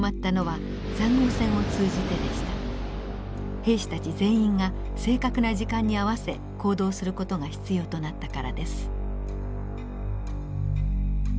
兵士たち全員が正確な時間に合わせ行動する事が必要となったからです。